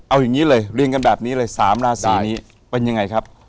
เอาอย่างนี้เลยเรียงกันแบบนี้เลย๓ราศีนี้เป็นยังไงครับ